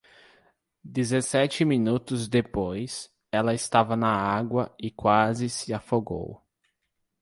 Dezessete minutos depois, ela estava na água e quase se afogou.